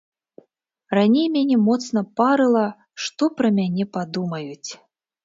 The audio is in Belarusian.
Раней мяне моцна парыла, што пра мяне падумаюць.